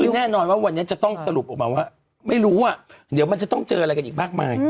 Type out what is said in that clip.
คือแน่นอนว่าวันนี้จะต้องสรุปออกมาว่าไม่รู้ว่าเดี๋ยวมันจะต้องเจออะไรกันอีกมากมาย